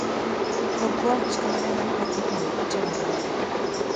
Gorpua fiskalaren amak aurkitu du, etxe barruan.